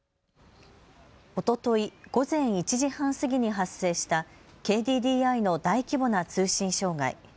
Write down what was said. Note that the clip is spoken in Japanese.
おととい午前１時半過ぎに発生したＫＤＤＩの大規模な通信障害。